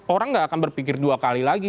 orang nggak akan berpikir dua kali lagi